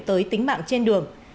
tới tính mạng trên đường